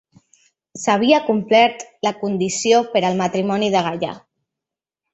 S'havia complert la condició per al matrimoni de Galla.